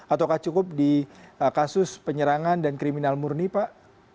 ataukah cukup di kasus penyerangan dan kriminal murni pak